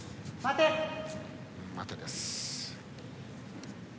待てです。